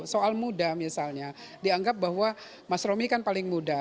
soal muda misalnya dianggap bahwa mas romi kan paling muda